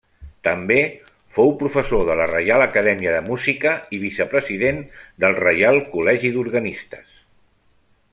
També fou professor de la Reial Acadèmia de Música i vicepresident del Reial Col·legi d'Organistes.